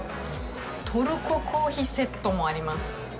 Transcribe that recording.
トルココーヒーセットもあります。